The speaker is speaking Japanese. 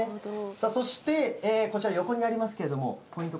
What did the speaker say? そしてこちら、横にありますけれども、ポイント